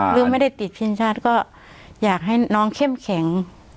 หรือไม่ได้ติดทีมชาติก็อยากให้น้องเข้มแข็ง